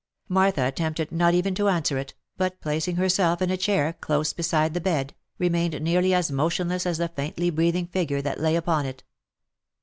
Martha attempted not even to answer it, but placing herself in a chair close beside the. bed, remained nearly as motionless as the faintly breathing figure that lay upon it.